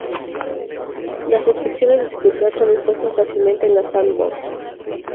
Las restricciones de seguridad son impuestas fácilmente en la sandbox.